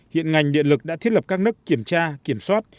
hiện ngành điện lực đã thiết lập các nấc kiểm tra kiểm soát